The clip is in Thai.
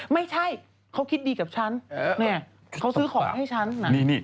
ไม่ใช่เค้าคิดดีกว่าฉันเค้าซื้อของไอซี่กันฉัน